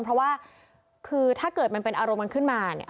เพราะว่าคือถ้าเกิดมันเป็นอารมณ์มันขึ้นมาเนี่ย